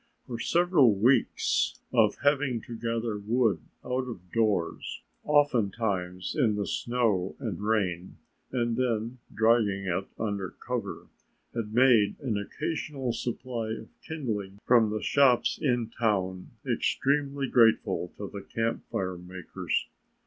For several weeks of having to gather wood out of doors, oftentimes in the snow and rain, and then drying it under cover, had made an occasional supply of kindling from the shops in town extremely grateful to the camp fire makers.